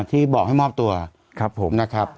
ที่บอกให้มอบตัวครับผมนะครับ